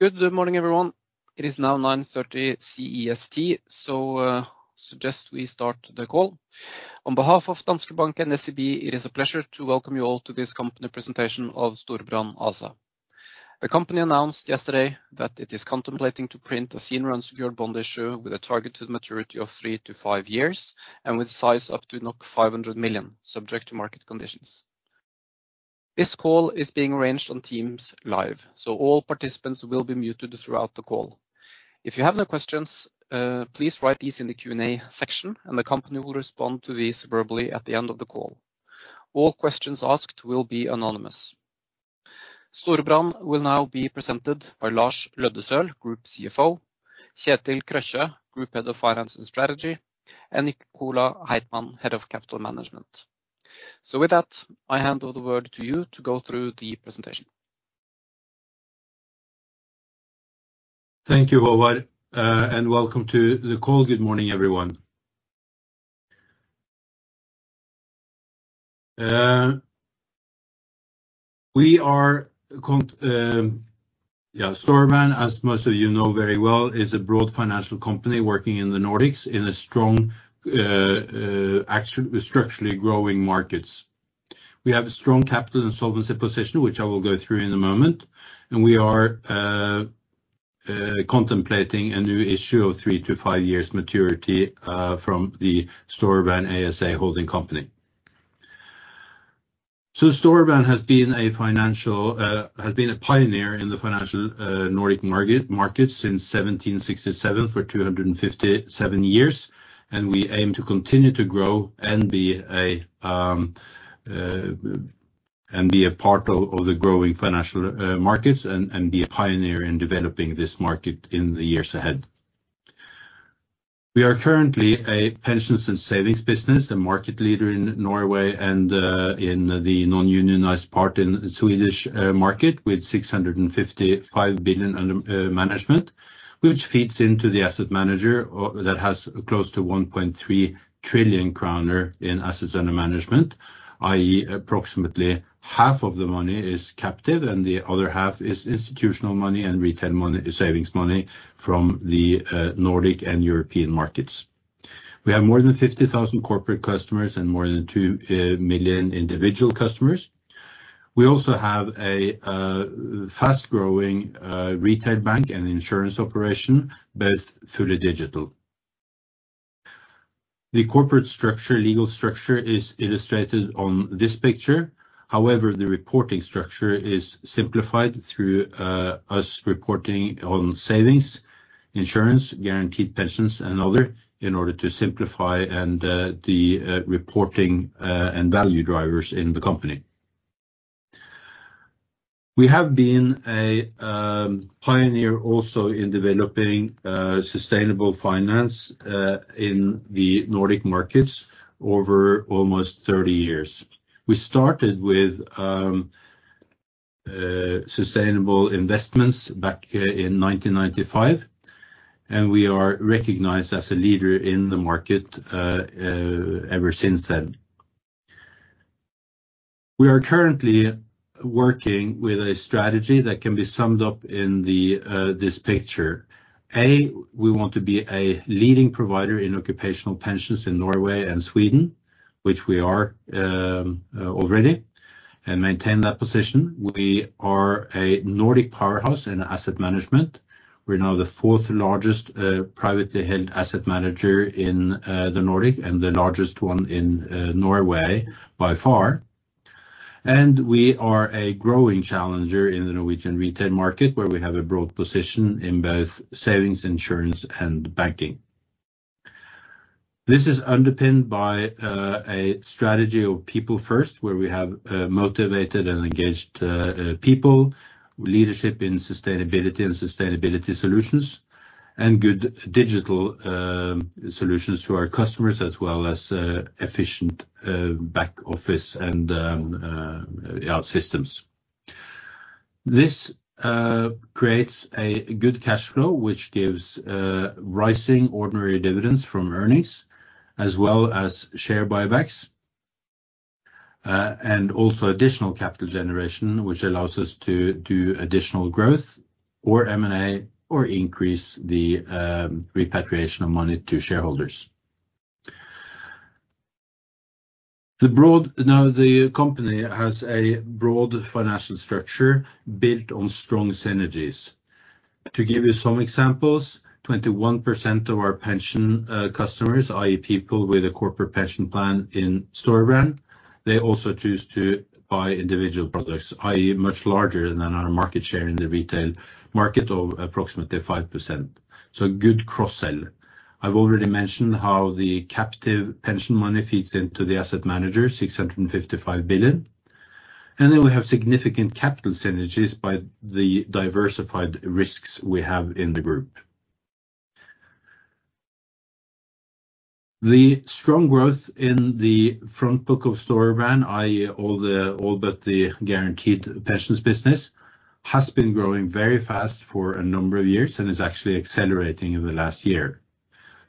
Good morning, everyone. It is now 9:30 A.M. CEST, so I suggest we start the call. On behalf of Danske Bank and SEB, it is a pleasure to welcome you all to this company presentation of Storebrand ASA. The company announced yesterday that it is contemplating to print a senior unsecured bond issue with a targeted maturity of 3-5 years and with a size up to 500 million, subject to market conditions. This call is being arranged on Teams Live, so all participants will be muted throughout the call. If you have any questions, please write these in the Q&A section, and the company will respond to these verbally at the end of the call. All questions asked will be anonymous. Storebrand will now be presented by Lars Løddesøl, Group CFO, Kjetil Krøche, Group Head of Finance and Strategy, and Nicola Heitmann, Head of Capital Management. So with that, I hand over the word to you to go through the presentation. Thank you, Håvard, and welcome to the call. Good morning, everyone. We are Storebrand, as most of you know very well, is a broad financial company working in the Nordics in strong, actually structurally growing markets. We have a strong capital solvency position, which I will go through in a moment, and we are contemplating a new issue of 3-5 years maturity from the Storebrand ASA Holding Company, so Storebrand has been a pioneer in the financial Nordic market since 1767 for 257 years, and we aim to continue to grow and be a part of the growing financial markets and be a pioneer in developing this market in the years ahead. We are currently a pensions and savings business, a market leader in Norway and in the non-unionized part in the Swedish market with 655 billion under management, which feeds into the asset manager that has close to 1.3 trillion kroner in assets under management, i.e., approximately half of the money is captive and the other half is institutional money and retail savings money from the Nordic and European markets. We have more than 50,000 corporate customers and more than 2 million individual customers. We also have a fast-growing retail bank and insurance operation, both fully digital. The corporate structure, legal structure, is illustrated on this picture. However, the reporting structure is simplified through us reporting on savings, insurance, guaranteed pensions, and other in order to simplify the reporting and value drivers in the company. We have been a pioneer also in developing sustainable finance in the Nordic Markets over almost 30 years. We started with sustainable investments back in 1995, and we are recognized as a leader in the market ever since then. We are currently working with a strategy that can be summed up in this picture. A, we want to be a leading provider in occupational pensions in Norway and Sweden, which we are already, and maintain that position. We are a Nordic powerhouse in asset management. We're now the fourth largest privately held asset manager in the Nordic and the largest one in Norway by far, and we are a growing challenger in the Norwegian retail market where we have a broad position in both savings, insurance, and banking. This is underpinned by a strategy of people first where we have motivated and engaged people, leadership in sustainability and sustainability solutions, and good digital solutions to our customers as well as efficient back office and systems. This creates a good cash flow, which gives rising ordinary dividends from earnings as well as share buybacks and also additional capital generation, which allows us to do additional growth or M&A or increase the repatriation of money to shareholders. The company has a broad financial structure built on strong synergies. To give you some examples, 21% of our pension customers, i.e., people with a corporate pension plan in Storebrand, they also choose to buy individual products, i.e., much larger than our market share in the retail market of approximately 5%. So good cross-sell. I've already mentioned how the captive pension money feeds into the asset manager, 655 billion. And then we have significant capital synergies by the diversified risks we have in the group. The strong growth in the front book of Storebrand, i.e., all but the guaranteed pensions business, has been growing very fast for a number of years and is actually accelerating in the last year.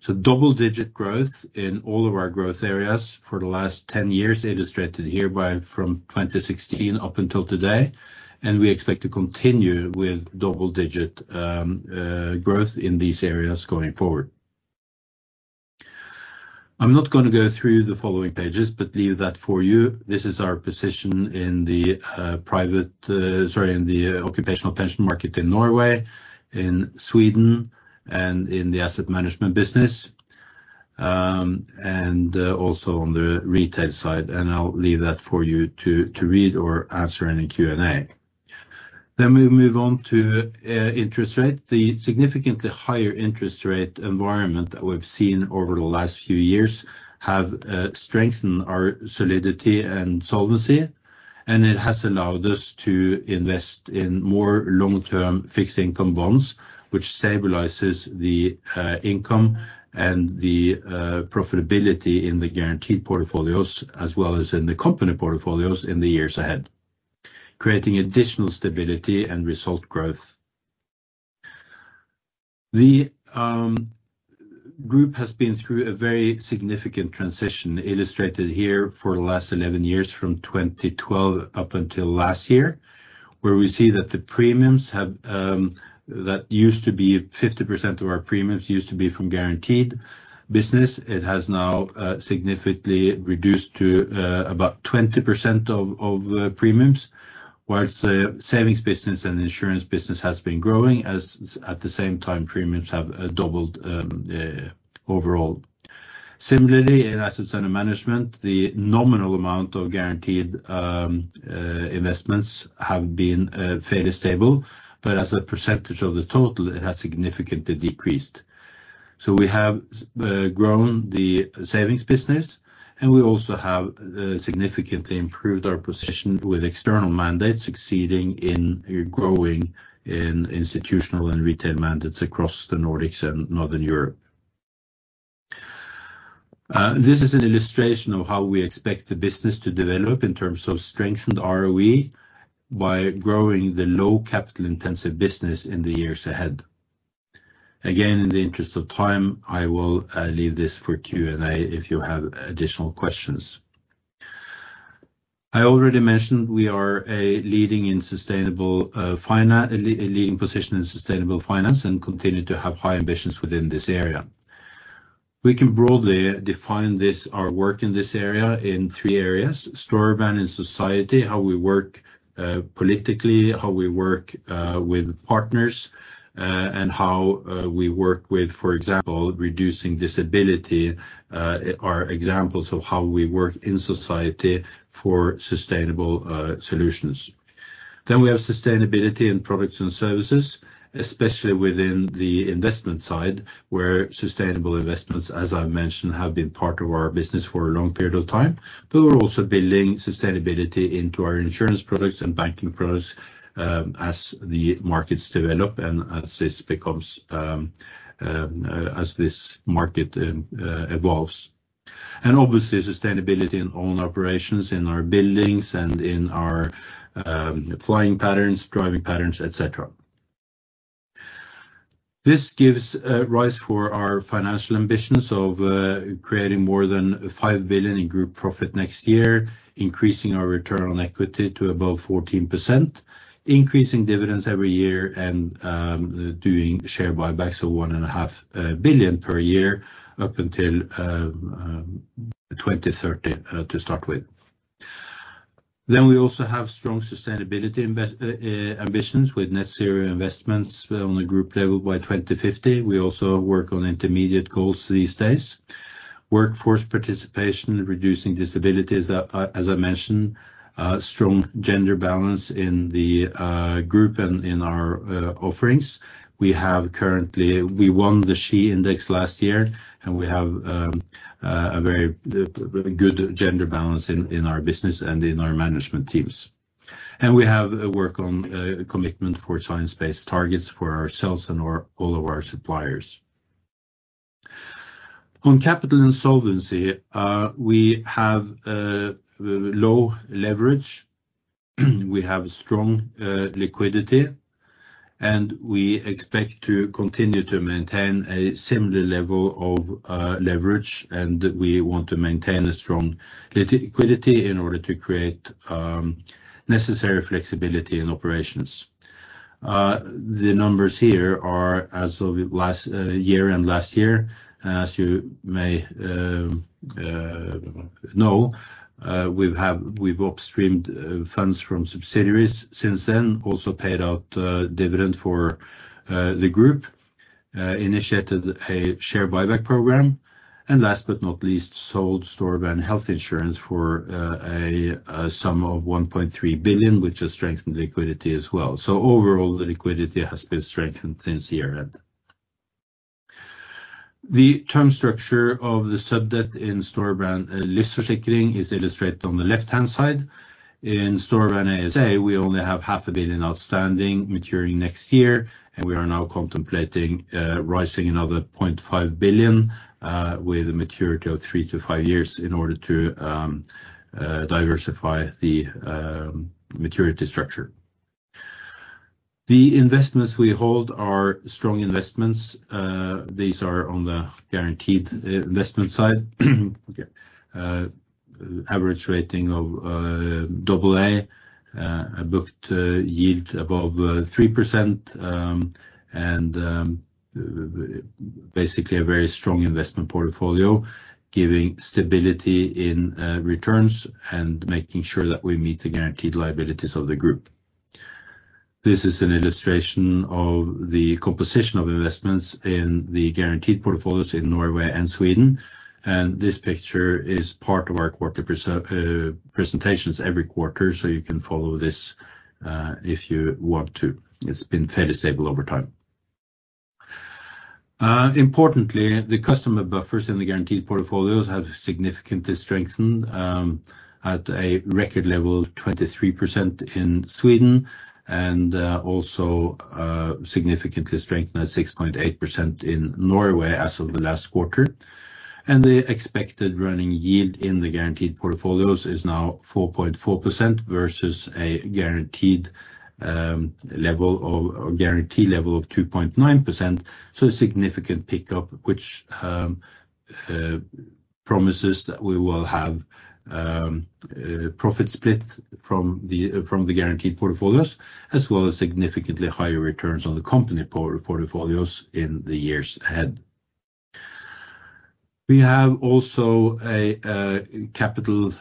So double-digit growth in all of our growth areas for the last 10 years illustrated here by from 2016 up until today, and we expect to continue with double-digit growth in these areas going forward. I'm not going to go through the following pages, but leave that for you. This is our position in the occupational pension market in Norway, in Sweden, and in the asset management business, and also on the retail side. And I'll leave that for you to read or answer in a Q&A. Then we move on to interest rate. The significantly higher interest rate environment that we've seen over the last few years has strengthened our solidity and solvency, and it has allowed us to invest in more long-term fixed income bonds, which stabilizes the income and the profitability in the guaranteed portfolios as well as in the company portfolios in the years ahead. Creating additional stability and result growth. The group has been through a very significant transition illustrated here for the last 11 years from 2012 up until last year, where we see that the premiums that used to be 50% of our premiums used to be from guaranteed business. It has now significantly reduced to about 20% of premiums, while the savings business and insurance business has been growing as at the same time premiums have doubled overall. Similarly, in assets under management, the nominal amount of guaranteed investments has been fairly stable, but as a percentage of the total, it has significantly decreased, so we have grown the savings business, and we also have significantly improved our position with external mandates excelling in growing institutional and retail mandates across the Nordics and Northern Europe. This is an illustration of how we expect the business to develop in terms of strengthened ROE by growing the low capital intensive business in the years ahead. Again, in the interest of time, I will leave this for Q&A if you have additional questions. I already mentioned we are a leading position in sustainable finance and continue to have high ambitions within this area. We can broadly define our work in this area in three areas: Storebrand in society, how we work politically, how we work with partners, and how we work with, for example, reducing disability are examples of how we work in society for sustainable solutions. Then we have sustainability in products and services, especially within the investment side. Where sustainable investments, as I mentioned, have been part of our business for a long period of time. There we're also building sustainability into our insurance products and banking products as the markets develop and as this market evolves. And obviously, sustainability in own operations, in our buildings and in our flying patterns, driving patterns, etc. This gives rise for our financial ambitions of creating more than 5 billion in group profit next year. Increasing our return on equity to above 14. Increasing dividends every year, and doing share buybacks of 1.5 billion per year up until 2030 to start with. Then we also have strong sustainability ambitions with net zero investments on the group level by 2050. We also work on intermediate goals these days: Workforce Participation, Reducing Disabilities, as I mentioned, Strong Gender Balance in the group and in our offerings. We won the SHE Index last year, and we have a very good gender balance in our business and in our management teams. And we have a work on commitment for Science-Based Targets for ourselves and all of our suppliers. On capital and solvency, we have low leverage, we have strong liquidity, and we expect to continue to maintain a similar level of leverage, and we want to maintain a strong liquidity in order to create necessary flexibility in operations. The numbers here are as of last year and last year, as you may know, we've upstreamed funds from subsidiaries since then, also paid out dividend for the group. Initiated a share buyback program, and last but not least, sold Storebrand Health Insurance for 1.3 billion, which has strengthened liquidity as well. So overall, the liquidity has been strengthened since year-end. The term structure of the sub-debt in Storebrand Løddesøl is illustrated on the left-hand side. In Storebrand ASA, we only have 0.5 billion outstanding maturing next year, and we are now contemplating raising another 0.5 billion with a maturity of 3-5 years in order to diversify the maturity structure. The investments we hold are strong investments. These are on the guaranteed investment side, average rating of AA, a booked yield above 3%, and basically a very strong investment portfolio giving stability in returns and making sure that we meet the guaranteed liabilities of the group. This is an illustration of the composition of investments in the guaranteed portfolios in Norway and Sweden, and this picture is part of our quarterly presentations every quarter, so you can follow this if you want to. It's been fairly stable over time. Importantly, the customer buffers in the guaranteed portfolios have significantly strengthened at a record level of 23% in Sweden and also significantly strengthened at 6.8% in Norway as of the last quarter. And the expected running yield in the guaranteed portfolios is now 4.4% versus a guaranteed level of 2.9%, so a significant pickup, which promises that we will have profit split from the guaranteed portfolios, as well as significantly higher returns on the company portfolios in the years ahead. We have also a capital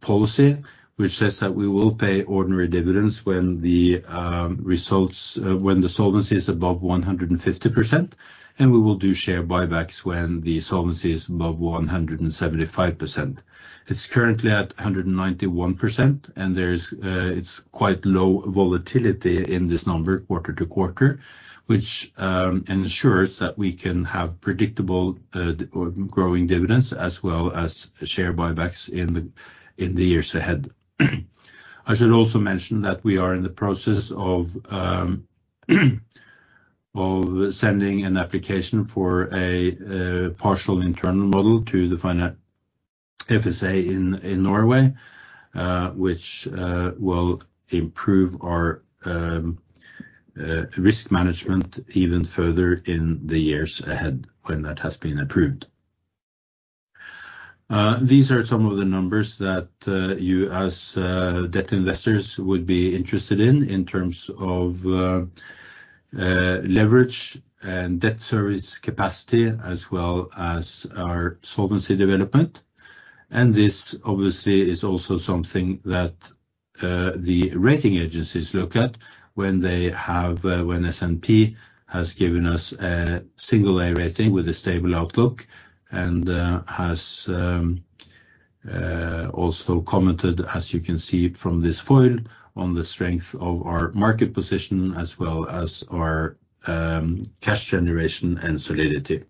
policy, which says that we will pay ordinary dividends when the solvency is above 150%, and we will do share buybacks when the solvency is above 175%. It's currently at 191%, and there's quite low volatility in this number quarter to quarter, which ensures that we can have predictable growing dividends as well as share buybacks in the years ahead. I should also mention that we are in the process of sending an application for a partial internal model to the FSA in Norway, which will improve our risk management even further in the years ahead when that has been approved. These are some of the numbers that you as debt investors would be interested in terms of leverage and debt service capacity as well as our solvency development, and this obviously is also something that the rating agencies look at when S&P has given us a single-A rating with a stable outlook and has also commented, as you can see from this foil, on the strength of our market position as well as our cash generation and solidity.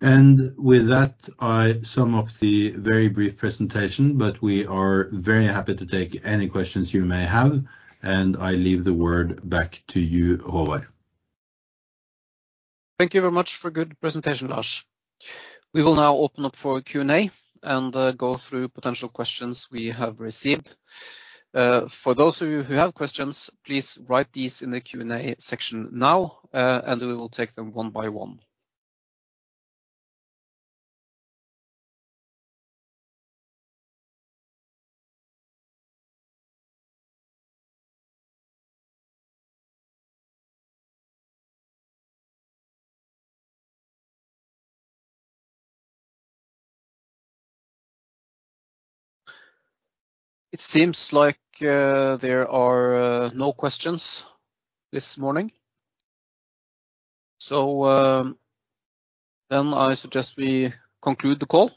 With that, I sum up the very brief presentation, but we are very happy to take any questions you may have, and I leave the word back to you, Håvard. Thank you very much for a good presentation, Lars. We will now open up for Q&A and go through potential questions we have received. For those of you who have questions, please write these in the Q&A section now, and we will take them one by one. It seems like there are no questions this morning. Then I suggest we conclude the call.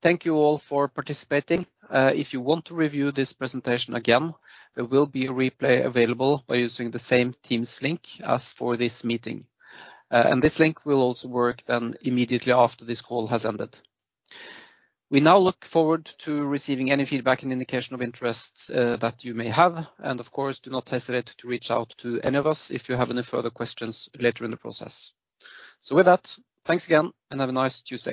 Thank you all for participating. If you want to review this presentation again, there will be a replay available by using the same Teams link as for this meeting. This link will also work immediately after this call has ended. We now look forward to receiving any feedback and indication of interest that you may have. And of course, do not hesitate to reach out to any of us if you have any further questions later in the process. So with that, thanks again, and have a nice Tuesday.